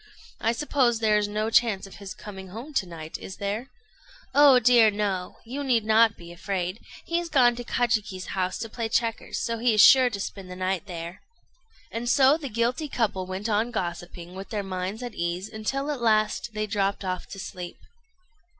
I suppose there is no chance of his coming home to night, is there?" "Oh dear, no! You need not be afraid. He is gone to Kajiki's house to play checkers; so he is sure to spend the night there." And so the guilty couple went on gossiping, with their minds at ease, until at last they dropped off asleep.